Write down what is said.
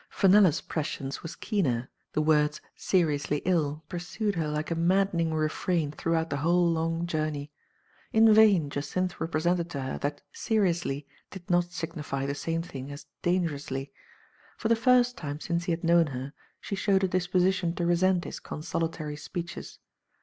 Fenella's prescience was keener ; the words seriously ill pursued her like a maddening refrain throughout the whole long journey. In vain Jacynth repre sented to her that ''seriously'* did not signify the same thing as "dangerously.*' For the first time since he had known her, she showed a disposition to resent his consolatory speeches.